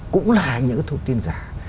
cũng là những cái thông tin giả